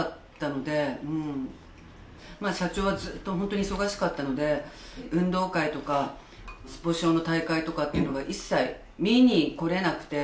まあ社長はずっと本当に忙しかったので運動会とかスポ少の大会とかっていうのが一切見に来られなくて。